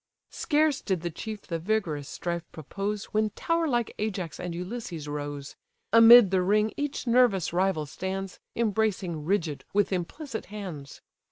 Scarce did the chief the vigorous strife propose When tower like Ajax and Ulysses rose. Amid the ring each nervous rival stands, Embracing rigid with implicit hands.